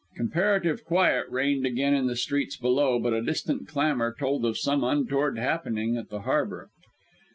Comparative quiet reigned again in the streets below, but a distant clamour told of some untoward happening at the harbour.